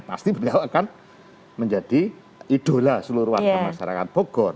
pasti beliau akan menjadi idola seluruh warga masyarakat bogor